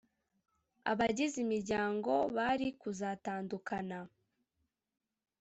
Abagize imiryango bari kuzatandukana